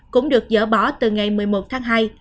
cũng được dỡ bỏ từ ngày một mươi một tháng hai